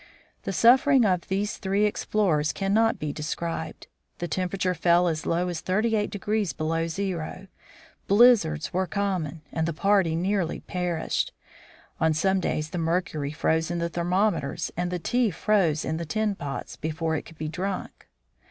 The suffering of these three ex plorers cannot be described. The temperature fell as low as 38 below zero, blizzards were common, and the party nearly perished. On some days the mercury froze in the thermometers, and the tea froze in the tin pots before it could be drunk.